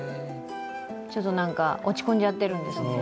ちょっと、なにか落ち込んじゃってるんですね。